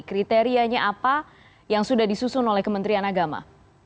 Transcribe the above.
kriterianya apa yang sudah disusun oleh kementerian agama